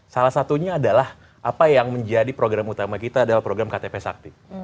salah satunya adalah apa yang menjadi program utama kita adalah program ktp sakti